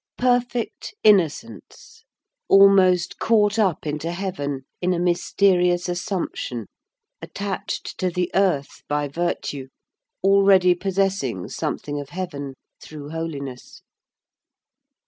Perfect innocence, almost caught up into heaven in a mysterious assumption, attached to the earth by virtue, already possessing something of heaven through holiness.